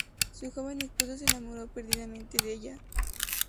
Su joven esposo se enamoró perdidamente de ella.